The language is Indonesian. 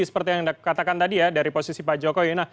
seperti yang anda katakan tadi ya dari posisi pak jokowi